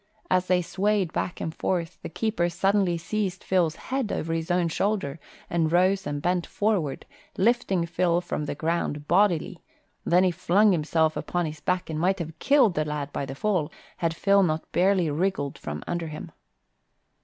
As they swayed back and forth the keeper suddenly seized Phil's head over his own shoulder and rose and bent forward, lifting Phil from the ground bodily; then he flung himself upon his back and might have killed the lad by the fall, had Phil not barely wriggled from under him.